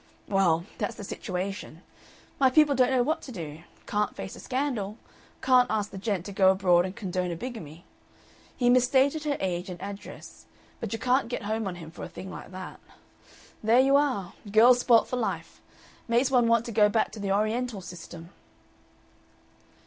Well, that's the situation. My people don't know what to do. Can't face a scandal. Can't ask the gent to go abroad and condone a bigamy. He misstated her age and address; but you can't get home on him for a thing like that.... There you are! Girl spoilt for life. Makes one want to go back to the Oriental system!"